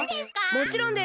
もちろんです。